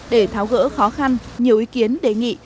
để tháo gỡ khó khăn nhiều ý kiến đề nghị